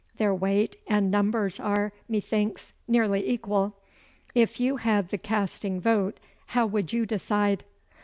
Their weight and numbers are, methinks, nearly equal. If you had the casting vote how would you decide?